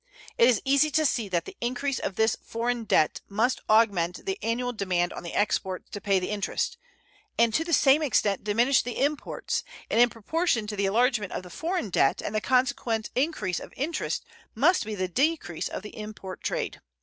It is easy to see that the increase of this foreign debt must augment the annual demand on the exports to pay the interest, and to the same extent diminish the imports, and in proportion to the enlargement of the foreign debt and the consequent increase of interest must be the decrease of the import trade.